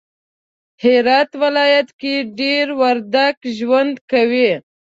هرات ولایت کی دیر وردگ ژوند کوی